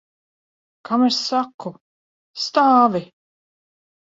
Kam es saku? Stāvi!